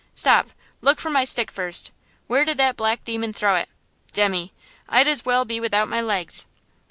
Stop! look for my stick first. Where did that black demon throw it? Demmy! I'd as well be without my legs!"